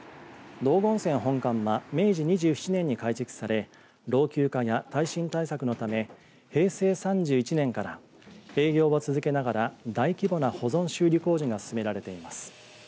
道後温泉本館は明治２７年に改築され老朽化や耐震対策のため平成３１年から営業を続けながら大規模な保存修理工事が進められています。